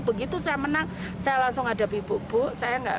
begitu saya menang saya langsung hadapi buku buku